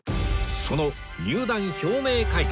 その入団表明会見